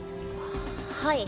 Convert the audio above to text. はい。